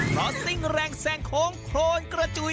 คลอสติ้งแรงแสงโค้งโครนกระจุย